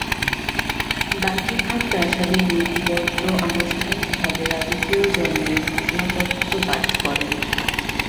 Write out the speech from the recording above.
Buckingham প্রাসাদের মুখপত্র আনুষ্ঠানিকভাবে রাজকীয় জন্মের ঘোষণাপত্র পাঠ করেন।